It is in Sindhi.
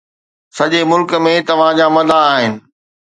سڄي ملڪ ۾ توهان جا مداح آهن